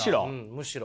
むしろ？